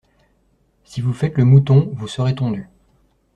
Si vous faites le mouton vous serez tondu.